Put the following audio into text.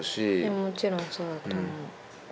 もちろんそうだと思う。